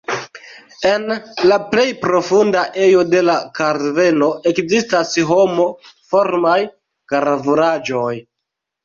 En la plej profunda ejo de la kaverno ekzistas homo-formaj gravuraĵoj.